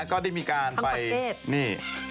ก็ได้มีการไปทั้งประเทศ